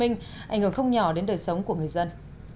ảnh hưởng không nhỏ đến đời sống của người dân